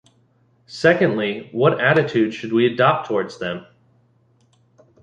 Secondly, what attitude should we adopt towards them?